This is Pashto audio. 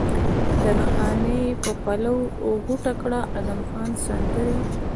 درخانۍ په پلو غوټه کړه ادم، ادم سندرې